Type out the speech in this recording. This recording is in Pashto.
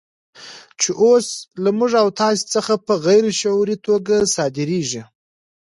چې اوس له موږ او تاسو څخه په غیر شعوري توګه صادرېږي.